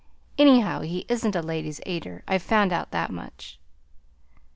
Anyhow, he isn't a Ladies' Aider. I've found out that much.